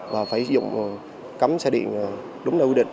và phải sử dụng cắm xe điện đúng là quy định